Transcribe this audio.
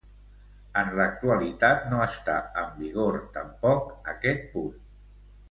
En l'actualitat no està en vigor tampoc aquest punt.